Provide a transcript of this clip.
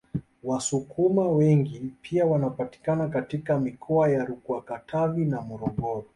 Wasukuma wengi pia wanapatikana katika mikoa ya RukwaKatavi na Morogoro